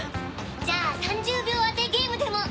じゃあ３０秒当てゲームでも。